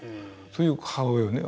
そういう母親をね